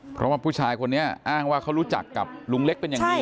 เพราะว่าผู้ชายคนนี้อ้างว่าเขารู้จักกับลุงเล็กเป็นอย่างดี